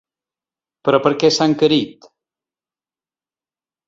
Però per què s’ha encarit?